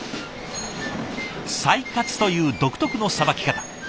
裁割という独特のさばき方。